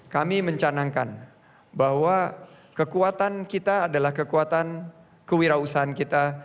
kami mencanangkan bahwa kekuatan kita adalah kekuatan kewirausahaan kita